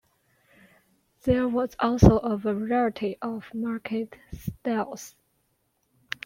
There was also a variety of market stalls.